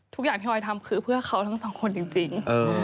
ทุกอย่างที่บอยทำคือเพื่อเขาทั้งสองคนจริง